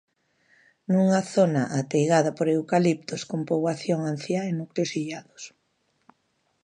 Nunha zona ateigada por eucaliptos, con poboación anciá e núcleos illados.